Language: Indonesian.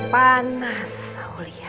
benar ke gunungshaista